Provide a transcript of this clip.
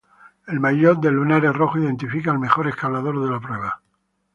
El maillot de lunares rojos identifica al mejor escalador de la prueba.